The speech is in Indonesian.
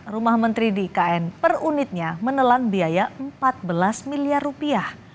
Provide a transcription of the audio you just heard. rumah menteri di ikn per unitnya menelan biaya empat belas miliar rupiah